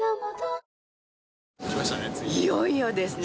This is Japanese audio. いよいよですね